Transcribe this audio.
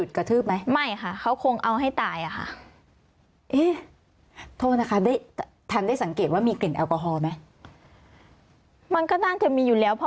ตอนที่เข้ามาซ้ำเนี่ยก็ไม่พูดอะไรเลยเหรอ